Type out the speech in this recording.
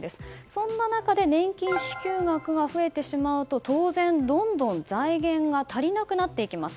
そんな中で年金支給額が増えてしまうと当然、どんどん財源が足りなくなっていきます。